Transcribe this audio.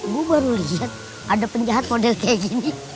gue baru lihat ada penjahat model kayak gini